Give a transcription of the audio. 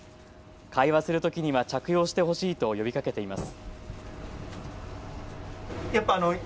会話するときには着用してほしいと呼びかけています。